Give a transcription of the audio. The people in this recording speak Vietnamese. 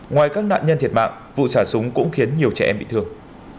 ngoài các nạn nhân thiệt mạng vụ xả súng cũng khiến nhiều trẻ em bị thương